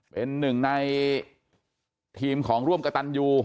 เป็นหนึ่งในทีมของร่วมกระตันยู